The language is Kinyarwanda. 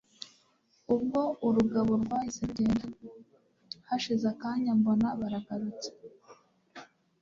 ubwo urugabo rwahise rugenda, hashize akanya mbona bagarutse